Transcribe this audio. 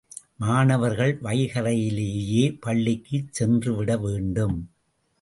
மாணவர்கள் வைகறையிலேயே பள்ளிக்குச் சென்றுவிட வேண்டும்.